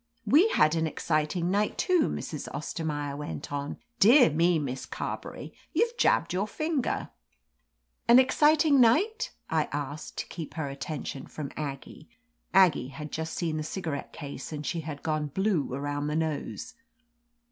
"We had an exciting night too," Mrs. Ostet; maier went on. "Dear me, Miss Carberry, you've jabbed your finger !" "An exciting night?" I asked, to keep her attention from Aggie Aggie had just seen the cigarette case and she had gone blue around the nose.